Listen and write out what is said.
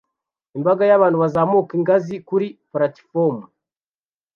Imbaga y'abantu bazamuka ingazi kuri platifomu